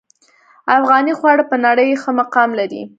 افغاني خواړه په نړۍ ښه مقام لري